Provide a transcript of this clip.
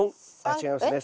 違いますね